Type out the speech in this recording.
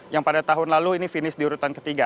yang pada tahun lalu ini finish di urutan ketiga